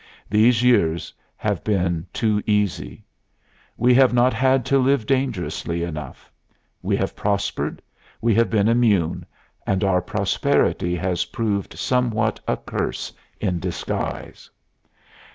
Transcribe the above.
These years have been too easy. We have not had to live dangerously enough. We have prospered, we have been immune, and our prosperity has proved somewhat a curse in disguise.